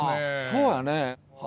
そうやね。